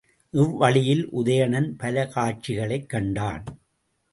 இவ் வழியில் உதயணன் பல காட்சிகளைக் கண்டான்.